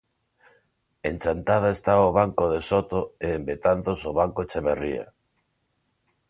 En Chantada estaba o Banco de Soto e en Betanzos o Banco Etcheverría.